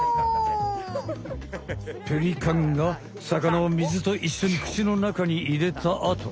ペリカンが魚を水といっしょにくちの中に入れたあと。